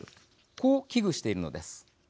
こう危惧しているのです。